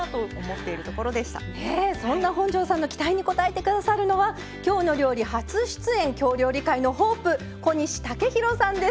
そんな本上さんの期待に応えて下さるのは「きょうの料理」初出演京料理界のホープ小西雄大さんです。